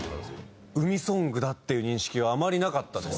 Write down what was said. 海ソングだっていう認識はあまりなかったですね。